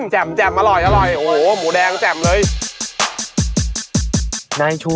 แจ่มอร่อยโอ้โหหมูแดงแจ่มเลย